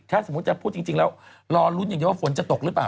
ถ้าสมมุติจะพูดจริงแล้วรอลุ้นอย่างเดียวว่าฝนจะตกหรือเปล่า